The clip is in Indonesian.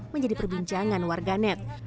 menjadi perbincangan warganet